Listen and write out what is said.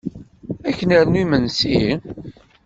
Ad k-nernu imesnsi?